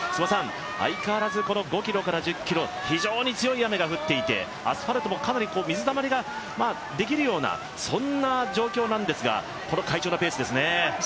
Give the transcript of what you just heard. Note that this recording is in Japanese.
相変わらず、この５ｋｍから１０ｋｍ非常に強い雨が降っていてアスファルトもかなり水たまりができるような状況なんですが、この快調なペースですね。